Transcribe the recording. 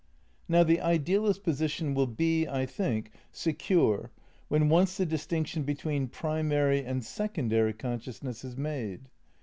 Now the idealist position will be, I think, secure when once the distinction between primary and secondary consciousness is made.